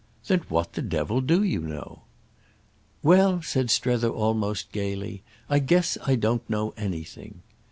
"Then what the devil do you know?" "Well," said Strether almost gaily, "I guess I don't know anything!"